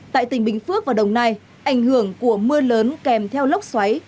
tại tỉnh bình phước và đồng nai ảnh hưởng của mưa lớn kèm theo lốc xoáy